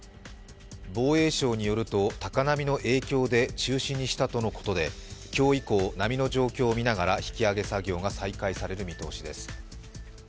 防衛省によると高波の影響で中止にしたということで今日以降、波の状況をみながら引き揚げ作業が再開される見通しです。